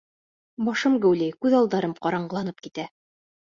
Башым геүләй, күҙ алдарым ҡараңғыланып китә.